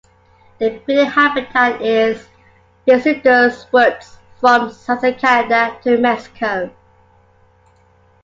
Their breeding habitat is deciduous woods from southern Canada to Mexico.